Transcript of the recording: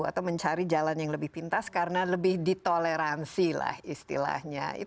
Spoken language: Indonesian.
atau mencari jalan yang lebih pintas karena lebih ditoleransi lah istilahnya